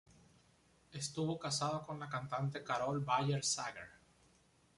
Estuvo casado con la cantante Carole Bayer Sager.